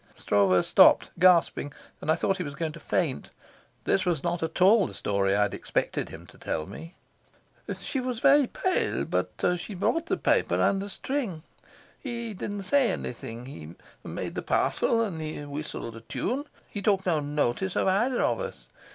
Stroeve stopped, gasping, and I thought he was going to faint. This was not at all the story I had expected him to tell me. "She was very pale, but she brought the paper and the string. He didn't say anything. He made the parcel and he whistled a tune. He took no notice of either of us.